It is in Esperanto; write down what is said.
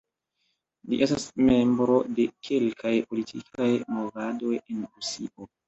Li estas membro de kelkaj politikaj movadoj en Rusio.